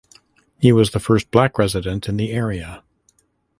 He was the first Black resident in the area.